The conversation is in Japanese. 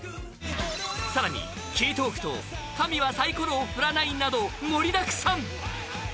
さらに、ＫＥＹＴＡＬＫと神はサイコロを振らないなど盛りだくさん。